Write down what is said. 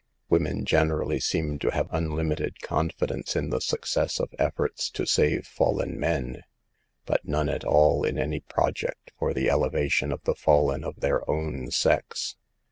Women generally seem to have unlimited con fidence in the success of efforts to save fallen men, but none at all in' dnj project for the elevation of the fallen of their own sex.